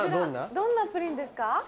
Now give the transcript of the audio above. どんなプリンですか？